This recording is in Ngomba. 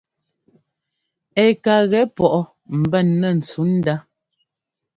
Ɛ ka gɛ pɔʼ mbɛn nɛ́ ntsǔnda.